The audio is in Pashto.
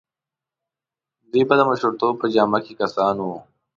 دوی به د مشرتوب په جامه کې کسان وو.